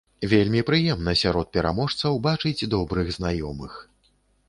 Вельмі прыемна сярод пераможцаў бачыць добрых знаёмых.